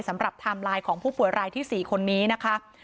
ไทม์ไลน์ของผู้ป่วยรายที่๔คนนี้นะคะ